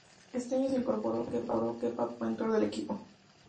Este año se incorpora Kepa Puente como director del equipo.